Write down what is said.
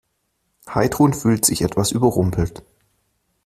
Heidrun fühlt sich etwas überrumpelt.